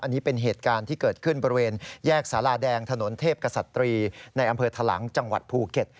อันนี้เป็นเหตุการณ์ที่เกิดขึ้นบริเวณแยกสาราแดงถนนเทพกษัตรีในอำเภอทะลังจังหวัดภูเก็ต